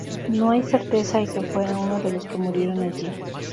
No hay certeza de que fuera uno de los que murieron allí.